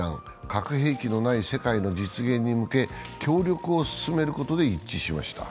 核兵器のない世界の実現に向け、協力を進めることで一致しました。